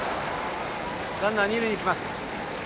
ランナー二塁に行きました。